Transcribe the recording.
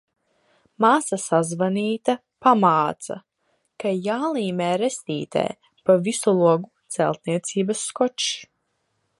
Māsa sazvanīta pamāca, ka jālīmē restītē pa visu logu celtniecības skočs.